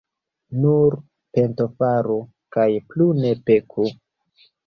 Nur pentofaru kaj plu ne peku.